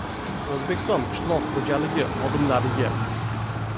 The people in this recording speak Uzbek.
O‘zbekiston qishloq xo‘jaligi xodimlariga